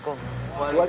aku akan menangkapmu